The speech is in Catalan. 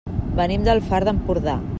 Venim del Far d'Empordà.